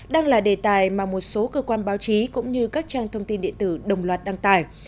đang là đề tài mà một số cơ quan báo chí cũng như các trang thông tin địa tử đồng loạt đăng tải